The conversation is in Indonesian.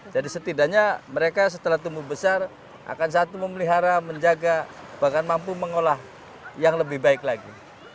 jadi setidaknya mereka setelah tumbuh besar akan satu memelihara menjaga bahkan mampu mengolah yang lebih baik lagi